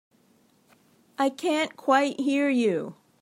I can't quite hear you.